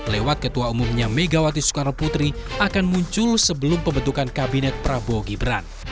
lewat ketua umumnya megawati soekarno putri akan muncul sebelum pembentukan kabinet prabowo gibran